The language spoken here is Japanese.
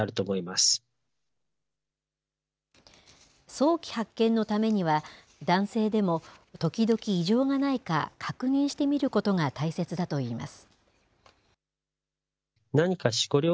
早期発見のためには、男性でもときどき異常がないか確認してみることが大切だといいます。